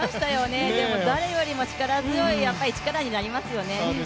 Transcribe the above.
誰よりも力強い、力になりますよね。